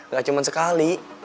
gak cuman sekali